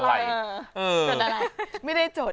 จดอะไรไม่ได้จด